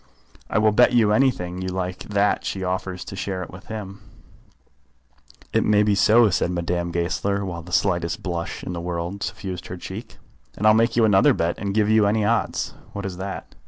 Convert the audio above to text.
I will bet you anything you like that she offers to share it with him." "It may be so," said Madame Goesler, while the slightest blush in the world suffused her cheek. "And I'll make you another bet, and give you any odds." "What is that?"